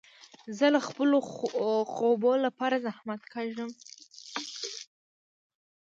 زه د خپلو خوبو له پاره زحمت کاږم.